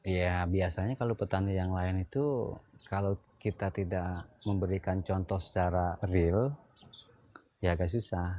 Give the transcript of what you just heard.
ya biasanya kalau petani yang lain itu kalau kita tidak memberikan contoh secara real ya agak susah